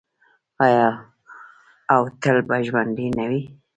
آیا او تل به ژوندی نه وي؟